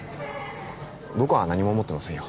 僕は何も思ってませんよ